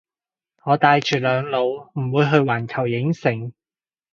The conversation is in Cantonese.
我帶住兩老唔會去環球影城